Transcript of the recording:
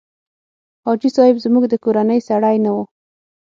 حاجي صاحب زموږ د کورنۍ سړی نه و.